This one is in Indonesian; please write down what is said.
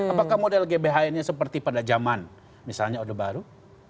apakah model gbhn nya seperti pada zaman misalnya odebaru